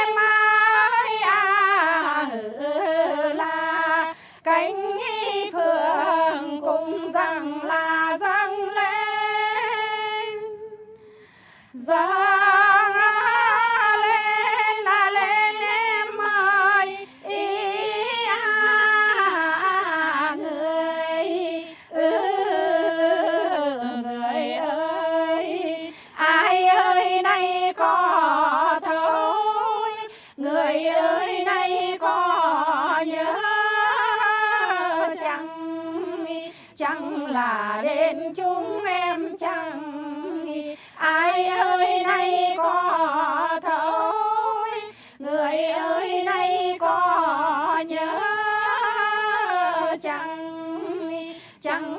mà nay cộng niềm y dâng ơ ơ yá nà nay